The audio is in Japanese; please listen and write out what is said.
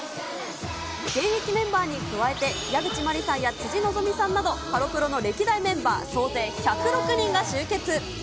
現役メンバーに加えて、矢口真里さんや辻希美さんなど、ハロプロの歴代メンバー総勢１０６人が集結。